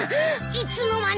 いつの間に。